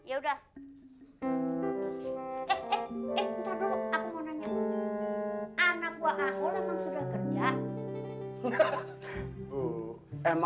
eh eh eh ntar dulu aku mau nanya